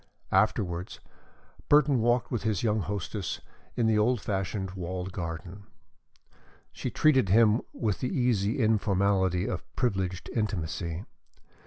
Afterwards, Burton walked with his young hostess in the old fashioned walled garden. She treated him with the easy informality of privileged intimacy.